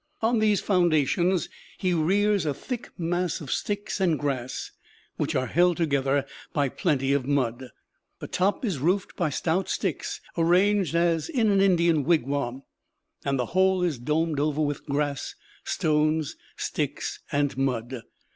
On these foundations he rears a thick mass of sticks and grass, which are held together by plenty of mud. The top is roofed by stout sticks arranged as in an Indian wigwam, and the whole domed over with grass, stones, sticks, and mud.